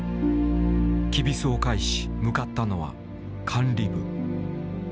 きびすを返し向かったのは管理部。